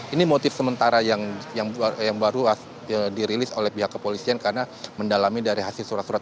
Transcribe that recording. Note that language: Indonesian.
ini motif sementara yang baru dirilis oleh pihak kepolisian karena mendalami dari hasil surat surat